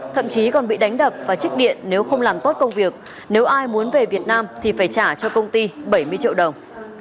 thậm chí còn bị đánh đập và trích điện nếu không làm tốt công việc nếu ai muốn về việt nam thì phải trả cho công ty bảy mươi triệu đồng